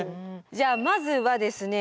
じゃあまずはですね